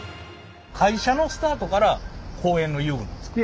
会社のスタートから公園の遊具なんですか？